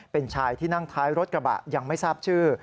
เป็นชายที่นั่งท้ายรถกระบะยังไม่ทราบชื่อ